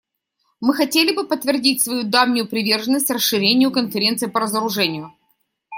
Мы хотели бы подтвердить свою давнюю приверженность расширению Конференции по разоружению.